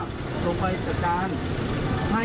มันเป็นสิ่งที่เราไม่ได้รู้สึกว่า